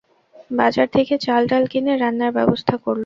বাজার থেকে চাল-ডাল কিনে রান্নার ব্যবস্থা করল।